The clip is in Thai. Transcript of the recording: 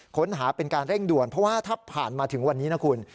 เป็นการเร่งด่วนเพราะว่าถ้าผ่านมาถึงวันนี้นะคุณ